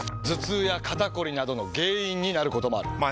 頭痛や肩こりなどの原因になることもある。